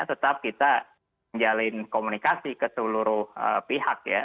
tetap kita menjalin komunikasi ke seluruh pihak ya